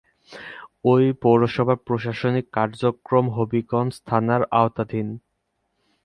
এ পৌরসভার প্রশাসনিক কার্যক্রম হাজীগঞ্জ থানার আওতাধীন।